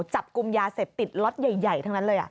จับกลุ่มยาเสพติดล็อตใหญ่ทั้งนั้นเลย